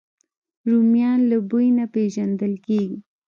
رومیان له بوی نه پېژندل کېږي